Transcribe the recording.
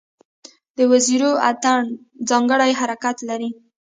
د وزیرو اتن ځانګړی حرکت لري.